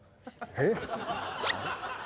えっ？